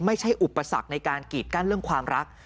อุปสรรคในการกีดกั้นเรื่องความรัก